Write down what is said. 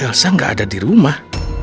elsa gak ada di rumah